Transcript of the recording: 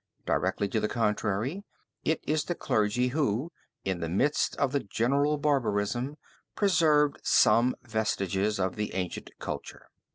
Directly to the contrary, it is the clergy who, in the midst of the general barbarism, preserved some vestiges of the ancient culture.